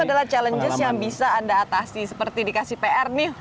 dan itu adalah challenges yang bisa anda atasi seperti dikasih pr nih